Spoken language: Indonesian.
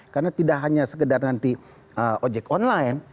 karena tidak hanya sekedar nanti ojek online